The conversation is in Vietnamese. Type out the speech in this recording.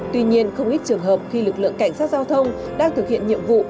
tuy nhiên không ít trường hợp khi lực lượng cảnh sát giao thông đang thực hiện nhiệm vụ